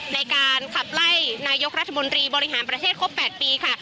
ในการขับไล่นายกรัฐมนตรีบริหารประเทศครบ๘ปีค่ะ